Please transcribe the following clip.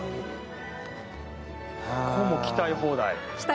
ここも来たい放題？